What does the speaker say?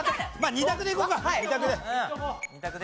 ２択でいこうか２択で。